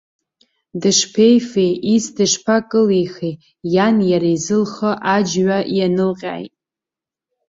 Дышԥеифеи, иц дышԥакылихи, иан иара изы лхы аџь-ҩа ианылҟьааит!